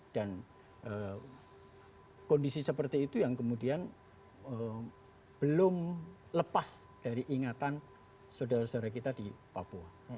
dan kondisi seperti itu yang kemudian belum lepas dari ingatan saudara saudara kita di papua